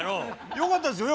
よかったですよね。